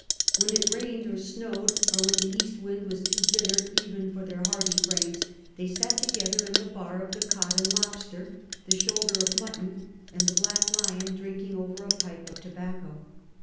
When it rained or snowed, or when the east Avind was too bitter even for their hardy frames, they sat together in the bar of the Cod ami Lobster, the SJmdd^' of Mutton, and the Black Lion, drinking over a pii)c of tobacco.